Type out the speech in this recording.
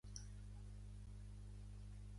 Allí s'hi va estar fins a complir els sis anys.